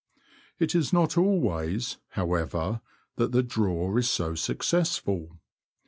It is not always, however, that the draw is so successful.